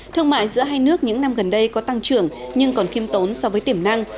thương mại giữa hai nước những năm gần đây có tăng trưởng nhưng còn khiêm tốn so với tiềm năng